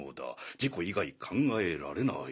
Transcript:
事故以外考えられない。